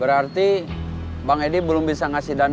berarti bang edy belum bisa ngasih dana lagi